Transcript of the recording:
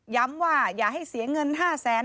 ย้ำว่าอย่าให้เสียเงิน๕๐๐๐๐๐บาท